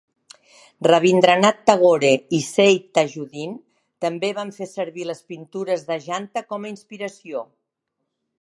Abanindranath Tagore i Syed Thajudeen també van fer servir les pintures d'Ajanta com a inspiració.